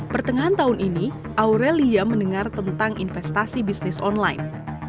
pertengahan tahun ini aurelia mendengar tentang investasi bisnis online